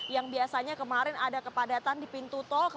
yang biasanya kemarin ada kepadatan di pintu tol